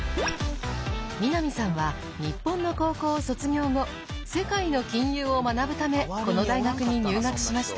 南さんは日本の高校を卒業後世界の金融を学ぶためこの大学に入学しました。